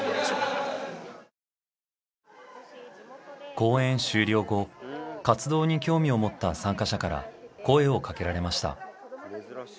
講演終了後活動に興味を持った参加者から声をかけられました。